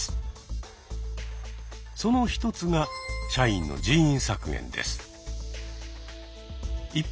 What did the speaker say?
その一つが社員の人員削減です。